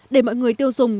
để mọi người tiêu dùng